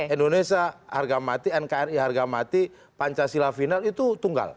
indonesia harga mati nkri harga mati pancasila final itu tunggal